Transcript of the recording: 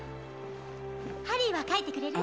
ハリーは書いてくれる？